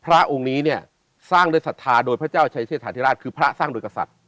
พระองค์นี้เนี่ยสร้างด้วยศรัทธาโดยพระเจ้าชัยเชษฐาธิราชคือพระสร้างโดยกษัตริย์